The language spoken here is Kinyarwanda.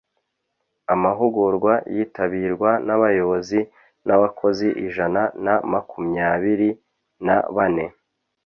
amahugurwa yitabirwa n’abayobozi n’abakozi ijana na makumyabiri na bane